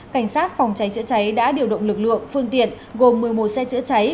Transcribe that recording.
cảnh sát phòng cháy chữa cháy đã điều động lực lượng phương tiện gồm một mươi một xe chữa cháy